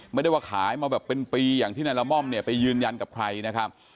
ไม่ได้ว่าขายมาแบบเป็นปีอย่างที่นายละม่อมเนี่ยไปยืนยันกับใครนะครับ